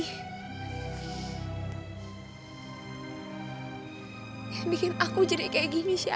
yang bikin aku jadi kayak gini sih